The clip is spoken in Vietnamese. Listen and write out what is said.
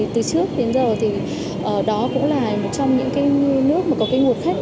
từ trước đến giờ đó cũng là một trong những nước có nguồn khách